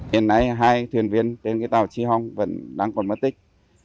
hiện nay hai thuyền viên trên tàu chi hong vẫn đang còn mất tích